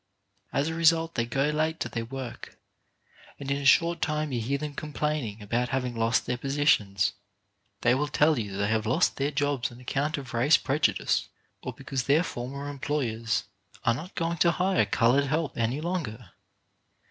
As a result they go late to their work, and in a short time you hear them complaining about having lost their posi tions. They will tell you that they have lost their jobs on account of race prejudice, or because their former employers are not going to hire coloured help any longer.